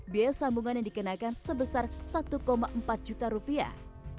biaya sambungan yang dikenakan sebesar satu empat juta rupiah